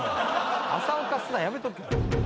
「浅岡すな」やめとけ。